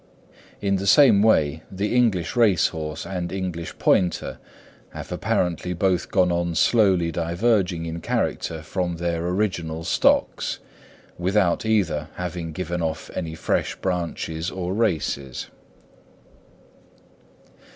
In the same way the English racehorse and English pointer have apparently both gone on slowly diverging in character from their original stocks, without either having given off any fresh branches or races.